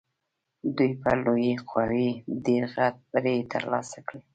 دوی پر لویې قوې ډېر غټ بری تر لاسه کړی.